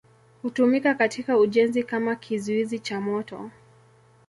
Hutumika katika ujenzi kama kizuizi cha moto.